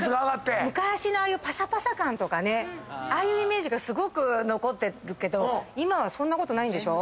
昔のパサパサ感とかねああいうイメージが残ってるけど今はそんなことないんでしょ？